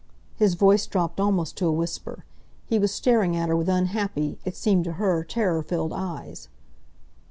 His voice dropped almost to a whisper. He was staring at her with unhappy, it seemed to her terror filled, eyes.